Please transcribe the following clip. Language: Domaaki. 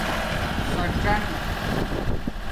ثڅان